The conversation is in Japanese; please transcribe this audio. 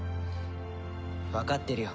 わかってるよ。